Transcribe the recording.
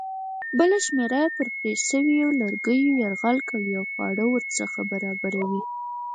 بله شمېره یې پر پرې شویو لرګیو یرغل کوي او خواړه ورڅخه برابروي.